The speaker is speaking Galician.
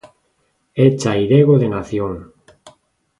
É chairego de nación.